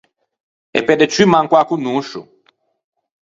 E pe de ciù manco â conoscio.